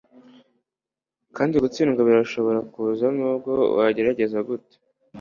kandi gutsindwa birashobora kuza nubwo wagerageza gute